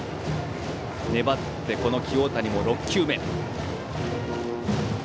粘って、この清谷も６球目。